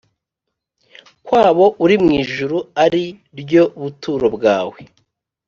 Kwabo uri mu ijuru ari ryo buturo bwawe